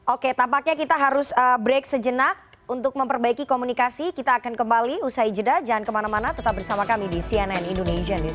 oke tampaknya kita harus break sejenak untuk memperbaiki komunikasi kita akan kembali usai jeda jangan kemana mana tetap bersama kami di cnn indonesian news